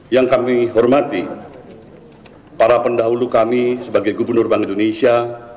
yang kami hormati para pendahulu kami sebagai gubernur bank indonesia